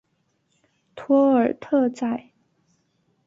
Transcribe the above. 托尔特宰。